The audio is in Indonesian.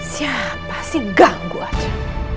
siapa sih ganggu aja